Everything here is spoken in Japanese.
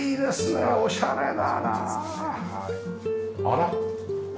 あら？